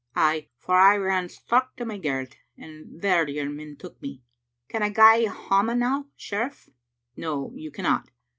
" Ay, for I ran straucht to my garret, and there your men took me. Can I gae hame now, sheriff?" " No, you cannot.